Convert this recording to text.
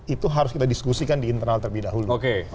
itu harus kita diskusikan di internal terlebih dahulu